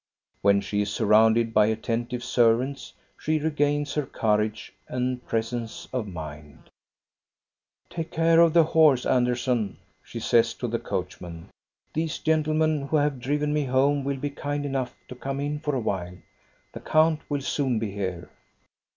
When she is surrounded by attentive servants, she regains her courage and presence of mind. Take care of the horse, Andersson !" she says to the coachman. " These gentlemen who have driven me home will be kind enough to come in for a while. The count will soon be here."